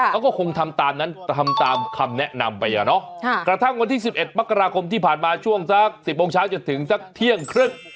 เขาก็คงทำตามนั้นทำตามคำแนะนำไปอ่ะเนาะกระทั่งวันที่๑๑มกราคมที่ผ่านมาช่วงสัก๑๐โมงเช้าจนถึงสักเที่ยงครึ่ง